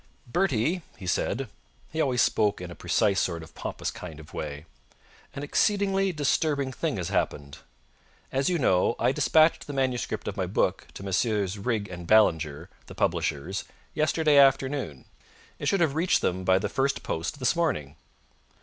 "Bertie," he said he always spoke in a precise sort of pompous kind of way "an exceedingly disturbing thing has happened. As you know, I dispatched the manuscript of my book to Messrs. Riggs and Ballinger, the publishers, yesterday afternoon. It should have reached them by the first post this morning.